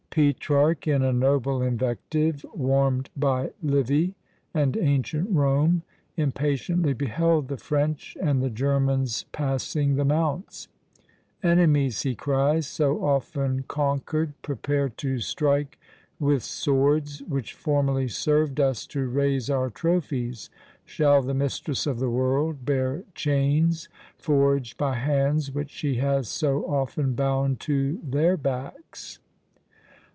Petrarch, in a noble invective, warmed by Livy and ancient Rome, impatiently beheld the French and the Germans passing the mounts. "Enemies," he cries, "so often conquered prepare to strike with swords which formerly served us to raise our trophies: shall the mistress of the world bear chains forged by hands which she has so often bound to their backs?"